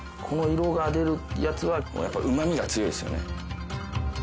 この色が出るやつはもうやっぱりうまみが強いですよね。